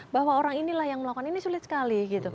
bahwa orang inilah yang melakukan ini sulit sekali